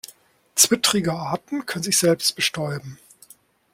Zwittrige Arten können sich selbst bestäuben.